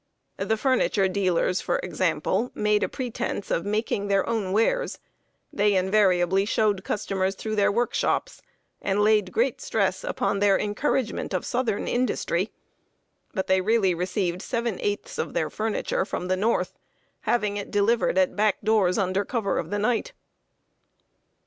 The furniture dealers, for example, made a pretense of making their own wares. They invariably showed customers through their workshops, and laid great stress upon their encouragement of southern industry; but they really received seven eighths of their furniture from the North, having it delivered at back doors, under cover of the night.